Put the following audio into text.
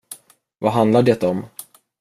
Vad handlar det om?